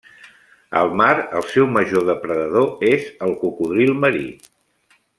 Al mar el seu major depredador és el cocodril marí.